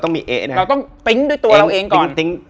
ต้องติ๊งด้วยตัวเราเองก่อน